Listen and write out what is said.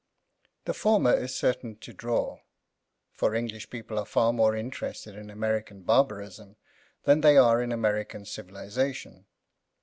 The former is certain to draw; for English people are far more interested in American barbarism than they are in American civilization.